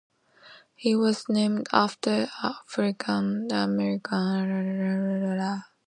It was named after the African-American education pioneer Booker T. Washington.